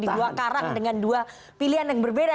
di dua karang dengan dua pilihan yang berbeda